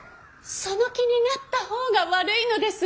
その気になった方が悪いのです。